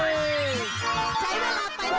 ยกมือเลย